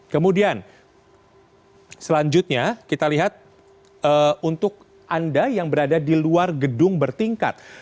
kemudian selanjutnya kita lihat untuk anda yang berada di luar gedung bertingkat